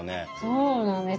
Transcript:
そうなんです。